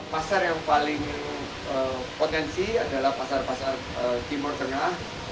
pasar yang paling potensi adalah pasar pasar timur tengah